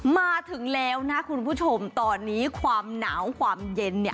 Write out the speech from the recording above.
มาถึงแล้วนะคุณผู้ชมตอนนี้ความหนาวความเย็นเนี่ย